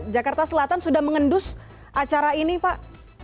jakarta selatan sudah mengendus acara ini pak